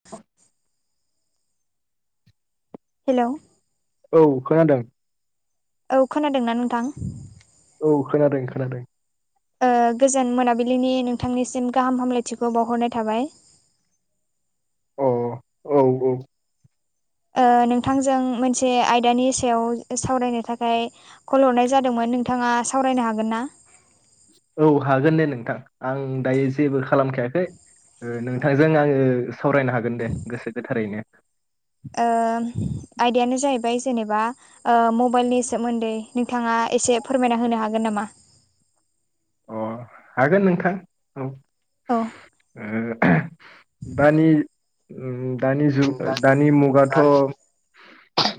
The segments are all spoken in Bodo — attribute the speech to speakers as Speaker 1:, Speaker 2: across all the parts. Speaker 1: [inaudible]
Speaker 2: हेल'
Speaker 1: औ खोनादों।
Speaker 2: औ खोनादों ना नोंथां।
Speaker 1: औ खोनादों खोनादों।
Speaker 2: ओ गोजोन मोनाबिलिनि नोंथांनिसिम गाहाम हामलायथिखौ बावहरनाय थाबाय।
Speaker 1: अ औ औ।
Speaker 2: ओ नोंथांजों मोनसे आयदानि सायाव सावरायनो थाखाय कल हरनाय जादोंमोन नोंथाङा सावरायनो हागोन ना?
Speaker 1: औ हागोन दे नोंथां आं दायो जेबो खालामखायाखै ओ नोंथांजों आङो सावरायनो हागोन दे गोसो गोथारैनो।
Speaker 2: ओ आयदायानो जाहैबाय जेनोबा ओ मबाइलनि सोमोन्दै नोंथाङा एसे फोरमायना होनो हागोन नामा?
Speaker 1: अ हागोन नोंथां औ।
Speaker 2: औ।
Speaker 1: ओ दानि उम दानि जुग ओ दानि मुगाथ'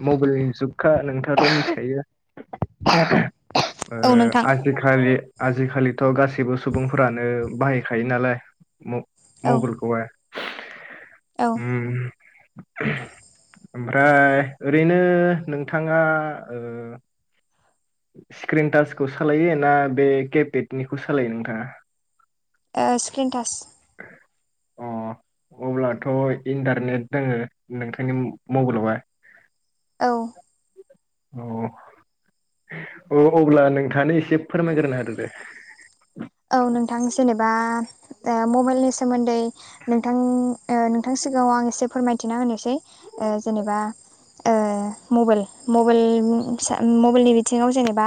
Speaker 1: मबाइलनि जुगखा नों थाङाथ' मिथिखायो ओ
Speaker 2: औ नोंथां
Speaker 1: आजिखालि आजिखालिथ' गासैबो सुबुंफोरानो बाहायखायो नालाय म
Speaker 2: औ
Speaker 1: मबाइलखौहाय।
Speaker 2: औ।
Speaker 1: उम, ओमफ्राय ओरैनो नोंथाङा ओ स्क्रिन टाचखौ सालायो ना बे केेपेटनिखौ सालायो नोंथाङा?
Speaker 2: ओ स्क्रिनटाच।
Speaker 1: अ अब्लाथ' इन्टारनेट दोङो नोंथांनि मबाइलावबा?
Speaker 2: औ।
Speaker 1: अ औ अब्ला नोंथाङानो एसे फोरमायग्रोनो होदो दे।
Speaker 2: औ नोंथां जेनोबा ओ मबाइलनि सोमोन्दै नोंथां ओ नोंथांनि सिगाङाव आं एसे फोरमायथिना होनोसै। ओ जेनोबा ओ मबाइल मबेल बुं फिसा मबाइलनि बिथिङाव जेनोबा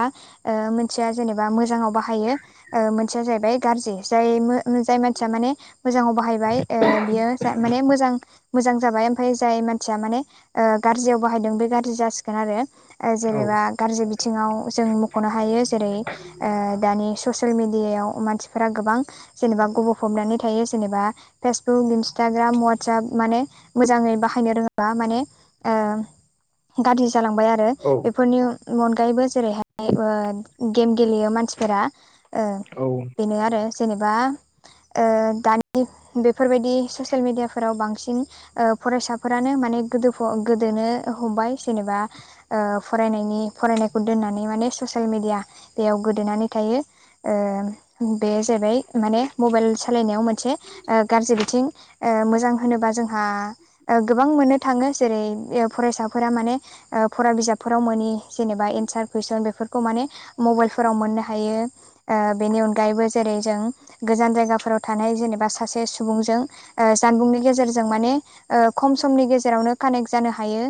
Speaker 2: ओ मोनसेया जेनोबा मोजाङाव बाहायो ओ मोनसेया जाहैबाय गाज्रि जाय ओ जाय मानसिया माने मोजाङाव बाहायबाय ओ बियो जा माने मोजां मोजां जाबाय ओमफ्राय जाय मानसिया माने ओ गाज्रियाव बाहायदों बे गाज्रि जासिगोन आरो। ओ
Speaker 1: औ
Speaker 2: जेनोबा गाज्रि बिथिङाव जों मख'नो हायो जेरै ओ दानि ससे ल मिडियाायाव मानसिफोरा गोबां जेनोबा गबफबनानै थायो। जेनोबा फेसबुक इन्स्टाग्राम वाटसेप माने मोजाङै बाहायनो रोङोबा माने ओ गाज्रि जालांबाय आरो
Speaker 1: औ
Speaker 2: बेफोरनि अनगायैबो जेरैहाय ओ गेम गेलेयो मानसिफोरा ओ
Speaker 1: औ।
Speaker 2: बेनो आरो जेनोबा ओ दानि बेफोरबायदि ससियेल मेडियाफोराव बांसिन ओ फरायसाफोरानो माने गोदोफब गोदोनो हमबाय जेनोबा ओ फरायनायनि फरायनायखौ दोननानै माने ससियेल मेडिया बेयाव गोदोनानै थायो। ओ बे जाहैबाय माने मबाइल सालायनायाव मोनसे ओ गाज्रि बिथिं। ओ मोजां होनोबा जोंहा ओ गोबां मोननो थाङो जेरै ओ फरायसाफोरा माने ओ फरा बिजाबफोराव मोनि जेनोबा एन्सार कुइसन बेफोरखौ माने मबाइलफोराव मोननो हायो ओ बेनि अनगायैबो जेरै जों गोजान जायगाफोराव थानाय जेनोबा सासे सुबुंजों ओ जानबुंनि गेजेरजों माने ओ खम समनि गेजेरावनो कानेक्ट जानो हायो।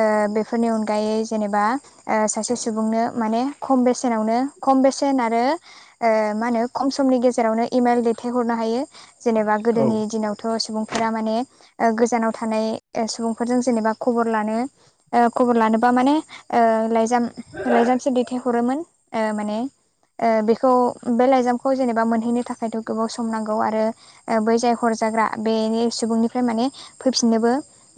Speaker 2: ओ बेफोरनि अनगायै जेनोबा ओ सासे सुबुंनो माने खम बेसेनावनो खम बेसेन आरो ओ मा होनो खम समनि गेजेरावनो इमेल दैथायहरनो हायो जेनोबा
Speaker 1: औ
Speaker 2: गोदोनि दिनाव थ' सुबुंफोरा माने ओ गोजानाव थानाय ओ सुबुंफोरजों जेनोबा खबर लानो ओ खबर लानोबा माने ओ लाइजाम लाइजामसो दैथायहरोमोन ओ माने ओ बेखौ बे लाइजामखौ जेनेबा मोनहैनो थाखायथ' गोबाव सम नांगौ आरो ओ बै जाय हरजाग्रा बे सुबुंनिफ्राय माने फैफिननोबो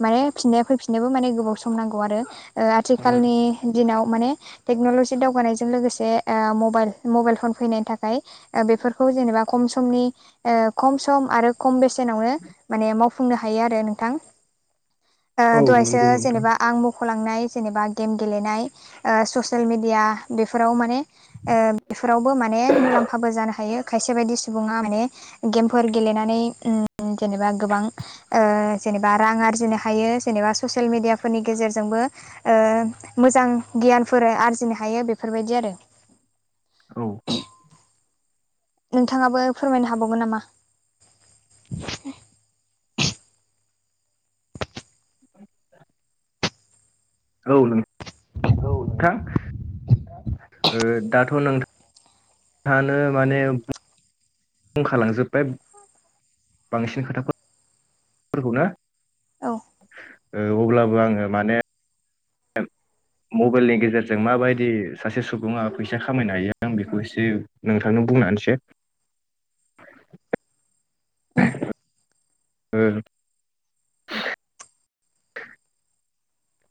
Speaker 2: माने फिननाया फैफिननोबो माने गोबाव सम नांगौ आरो। ओ
Speaker 1: औ
Speaker 2: आथिखालनि दिनाव माने टेक्न'लजि दावगानायजों लोगोसे ओ मबाइल मबाइल फन फैनायनि थाखाय ओ बेफोरखौ जेनेबा खम समनि ओ खम सम आरो खम बेसेनावनो माने मावफुंनो हायो आरो नोंथां। ओ
Speaker 1: औ
Speaker 2: दहायसो
Speaker 1: नंगौ नोंथां।
Speaker 2: जेनेबा आं मख'लांनाय जेनेबा गेम गेलेनाय ओ ससियेल मिडिया बेफोराव माने बेफोरावबो माने ओ मुलाम्फाबो जानो हायो खायसे बायदि सुबुङा माने गेमफोर गेलेनानै ओम जेनेबा गोबां ओ जेनेबा रां आरजिनो हायो जेनेबा ससियेल मिडियाफोरनि गेजेरजोंबो। ओ मोजां गियानफोर आरजिनो हायो बेफोरबायदि आरो।
Speaker 1: औ
Speaker 2: नोंथाङाबो फोरमायनो हाबावगोन नामा?
Speaker 1: [inaudible] औ नों
Speaker 2: औ
Speaker 1: थां। ओ दाथ' नों थाङानो माने बुंखालांजोब्बाय बांसिन खोथाफोर फोरखौनो
Speaker 2: औ
Speaker 1: अब्लाबो आङो माने
Speaker 2: [inaudible]
Speaker 1: मबेलनि गेजेरजों माबायदि सासे सुबुङा फैसा खामायनो हायो आं बेखौ एसे नोंथांनो बुंनानैसो
Speaker 2: उम
Speaker 1: ओ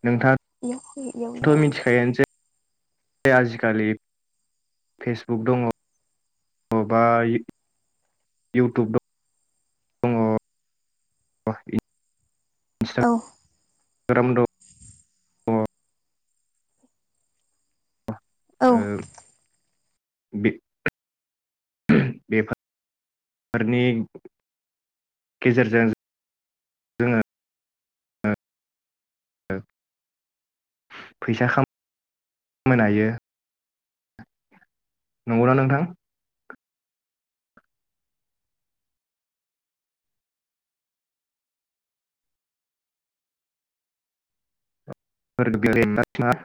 Speaker 1: नोंथां‌।
Speaker 2: इयाव फै इयाव इयाव,
Speaker 1: थायनोसेै। बे आजिखालि फेसबुक दङ बबा [unintelligible]
Speaker 2: औ।
Speaker 1: रोम द
Speaker 2: औ
Speaker 1: ओ बे [unintelligible] गेजेरजों फैसा खाम मायनो हायो। नंगौना नोंथां? [unintelligible]